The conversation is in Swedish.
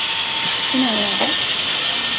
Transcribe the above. Hur nära är det?